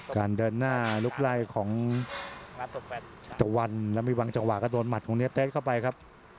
การเดินหน้าลุกไล่ของตะวันแล้วมีบางจังหวะก็โดนหมัดของนี้เต๊ดเข้าไปครับ